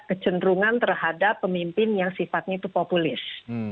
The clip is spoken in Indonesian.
kecenderungan terhadap pemimpin yang sifatnya itu populis